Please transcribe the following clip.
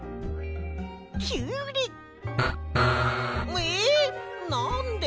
えなんで？